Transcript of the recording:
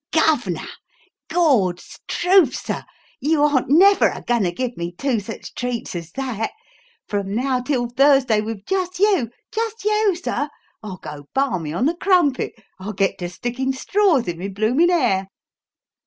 "Gov'nor! Gawd's truth, sir, you aren't never a goin' to give me two sich treats as that? From now till Thursday with jist you jist you, sir? I'll go balmy on the crumpet I'll get to stickin' straws in my bloomin' 'air!"